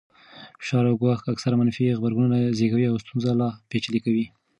فشار او ګواښ اکثراً منفي غبرګون زېږوي او ستونزه لا پېچلې کوي.